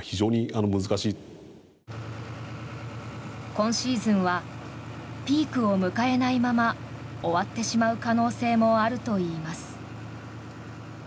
今シーズンはピークを迎えないまま終わってしまう可能性もあるといいます。